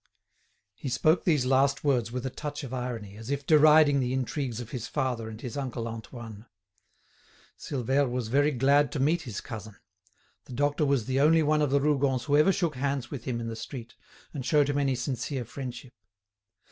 He spoke these last words with a touch of irony, as if deriding the intrigues of his father and his uncle Antoine. Silvère was very glad to meet his cousin; the doctor was the only one of the Rougons who ever shook hands with him in the street, and showed him any sincere friendship.